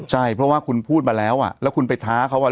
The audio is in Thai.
ใช่เพราะว่าคุณพูดมาแล้วแล้วคุณไปท้าเขาว่า